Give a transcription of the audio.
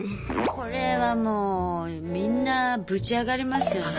これはもうみんなブチ上がりますよね。